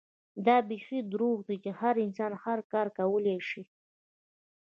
دا بيخي دروغ دي چې هر انسان هر کار کولے شي